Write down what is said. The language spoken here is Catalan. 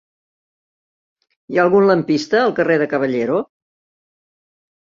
Hi ha algun lampista al carrer de Caballero?